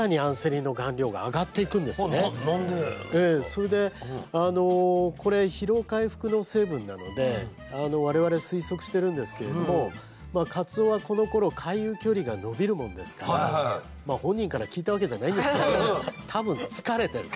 それでこれ疲労回復の成分なので我々推測してるんですけれどもかつおはこのころ回遊距離が延びるものですから本人から聞いたわけじゃないんですけど多分疲れてる。